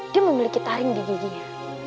dia memiliki taring di giginya